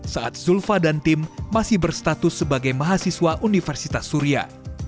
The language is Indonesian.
saat zulfa dan tim masih berstatus sebagai mahasiswa universitas surya